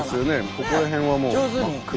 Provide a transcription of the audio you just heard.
ここら辺はもう真っ黒。